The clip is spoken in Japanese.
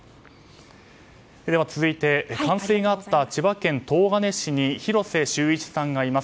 続いて、冠水があった千葉県東金市に広瀬修一さんがいます。